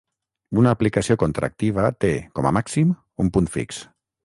Una aplicació contractiva té, com a màxim, un punt fix.